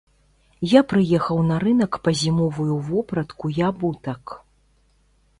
Я прыехаў на рынак па зімовую вопратку і абутак.